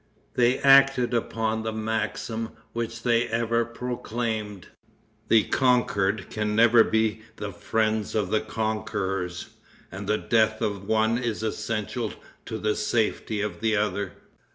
They acted upon the maxim which they ever proclaimed, "The conquered can never be the friends of the conquerors; and the death of the one is essential to the safety of the other."